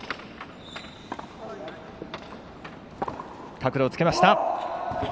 角度をつけました。